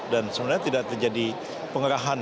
dan sebenarnya tidak terjadi pengerahan